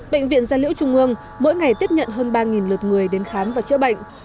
bệnh viện gia liễu trung ương mỗi ngày tiếp nhận hơn ba lượt người đến khám và chữa bệnh